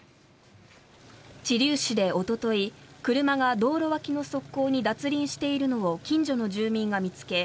知立市でおととい車が道路脇の側溝に脱輪しているのを近所の住民が見つけ